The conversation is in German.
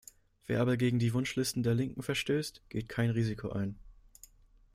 Wer aber gegen die Wunschlisten der Linken verstößt, geht kein Risiko ein.